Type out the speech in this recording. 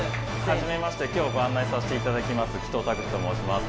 初めまして今日ご案内させていただきます